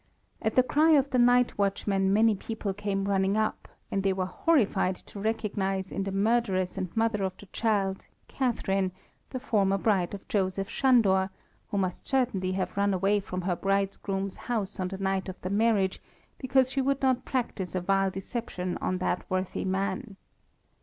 At the cry of the night watchman, many people came running up, and they were horrified to recognize in the murderess and mother of the child, Catharine, the former bride of Joseph Sándor, who must certainly have run away from her bridegroom's house on the night of the marriage because she would not practise a vile deception on that worthy man.